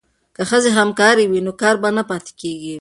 که ښځې همکارې وي نو کار به نه پاتې کیږي.